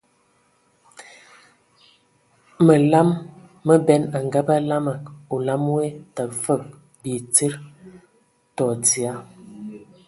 Məlam məben a ngabə lamaŋ, olam woe təgə fəg bi tsid tɔ dzia.